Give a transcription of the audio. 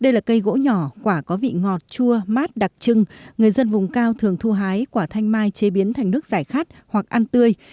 đây là cây gỗ nhỏ quả có vị ngọt chua mát đặc trưng người dân vùng cao thường thu hái quả thanh mai chế biến thành nước giải khát hoặc ăn tươi